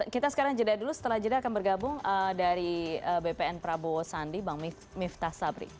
kita sekarang jeda dulu setelah jeda akan bergabung dari bpn prabowo sandi bang miftah sabri